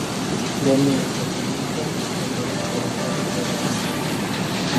Domnule președinte, vă doresc o refacere rapidă.